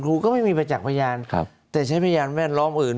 ก็ไม่มีประจักษ์พยานแต่ใช้พยานแวดล้อมอื่น